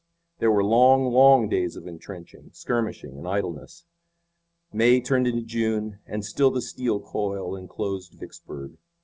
There were long, long days of intrenching, skirmishing and idleness. May turned into June, and still the steel coil enclosed Vicksburg.